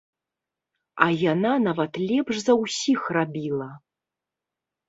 А яна нават лепш за ўсіх рабіла.